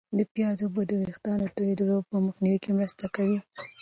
د پیازو اوبه د ویښتانو د توییدو په مخنیوي کې مرسته کوي.